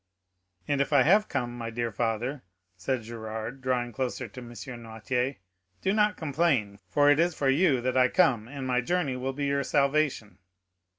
"And if I have come, my dear father," said Gérard, drawing closer to M. Noirtier, "do not complain, for it is for you that I came, and my journey will be your salvation."